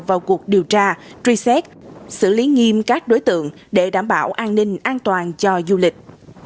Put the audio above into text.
vào cuộc điều tra truy xét xử lý nghiêm các đối tượng để đảm bảo an ninh an toàn cho du lịch